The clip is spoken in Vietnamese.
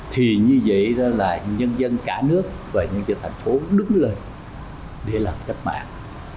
thì như vậy đó là nhân dân cả nước và nhân dân thành phố đứng lên để làm cách mạng